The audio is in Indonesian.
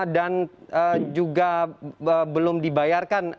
dan juga belum dibayarkan